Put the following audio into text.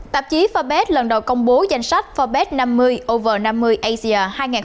tạp chí forbes lần đầu công bố danh sách forbes năm mươi over năm mươi asia hai nghìn hai mươi bốn